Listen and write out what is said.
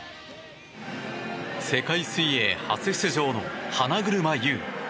世界水泳初出場の花車優。